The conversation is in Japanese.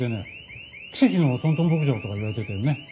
「奇跡のトントン牧場」とかいわれてたよね。